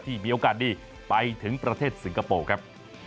มีโอกาสดีไปถึงประเทศสิงคโปร์ครับ